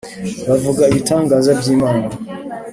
Bavuga ibitangaza by imana